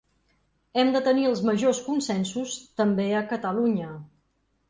Hem de tenir els majors consensos també a Catalunya.